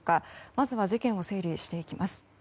まず事件を整理していきます。